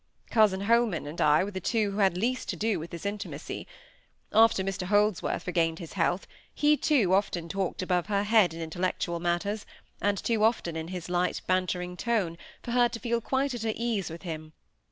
Cousin Holman and I were the two who had least to do with this intimacy. After Mr Holdsworth regained his health, he too often talked above her head in intellectual matters, and too often in his light bantering tone for her to feel quite at her ease with him.